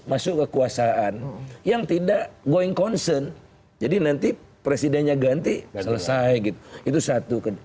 masuk kekuasaan yang tidak going concern jadi nanti presidennya ganti selesai gitu itu satu